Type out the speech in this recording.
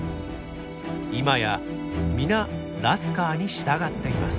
今や皆ラスカーに従っています。